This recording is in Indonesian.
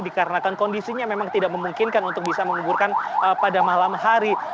dikarenakan kondisinya memang tidak memungkinkan untuk bisa menguburkan pada malam hari